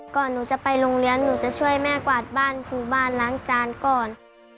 หนูจะไปโรงเรียนหนูจะช่วยแม่กวาดบ้านถูบ้านล้างจานก่อน